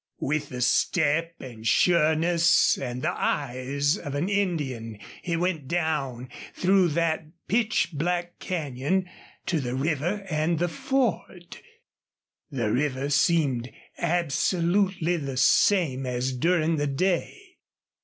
With the step and sureness and the eyes of an Indian he went down through that pitch black canyon to the river and the ford. The river seemed absolutely the same as during the day.